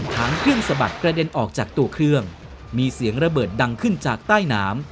ทั้งเครื่องสะบัดกระเด็นออกจากตัวเครื่องมีเสียงระเบิดดังขึ้นจากใต้น้ำ